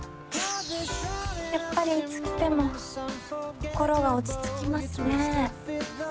やっぱりいつ来ても心が落ち着きますね。